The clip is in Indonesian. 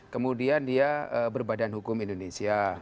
kemudian dia berbadan hukum indonesia